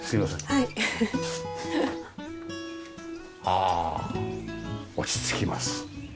ああ落ち着きます。